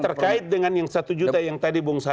terkait dengan yang satu juta yang tadi bongsa